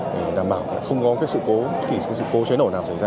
để đảm bảo không có sự cố cháy nổ nào xảy ra